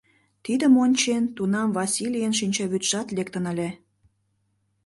Тидым ончен, тунам Васлийын шинчавӱдшат лектын ыле...